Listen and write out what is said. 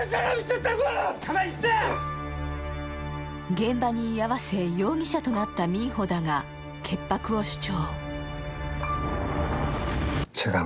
現場に居合わせ、容疑者となったミンホだが潔白を主張。